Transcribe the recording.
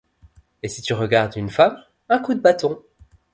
Et si tu regardes une femme, un coup de bâton.